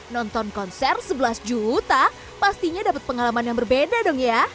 nonton konser sebelas juta pastinya dapat pengalaman yang berbeda dong ya